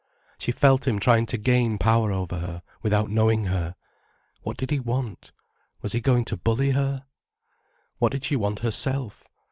She felt him trying to gain power over her, without knowing her. What did he want? Was he going to bully her? What did she want herself?